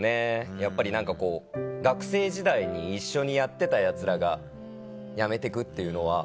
やっぱり何かこう学生時代に一緒にやってたヤツらが辞めてくっていうのは。